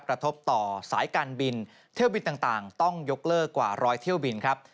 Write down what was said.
กระทบต่อสายการบินเที่ยวบินต่างต้องยกเลิกกว่าร้อยเที่ยวบินครับ